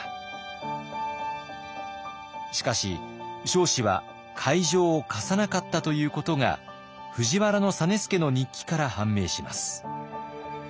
しかし彰子は会場を貸さなかったということが藤原実資の日記から判明します。